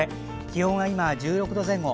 気温は今１６度前後。